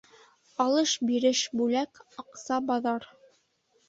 Алыш-биреш, бүләк. Аҡса, баҙар